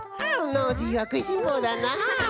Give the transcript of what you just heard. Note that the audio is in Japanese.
ノージーはくいしんぼうだな！